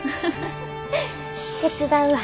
手伝うわ。